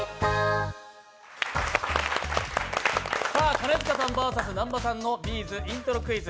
兼近さんｖｓ南波アナの「Ｂ’ｚイントロクイズ」。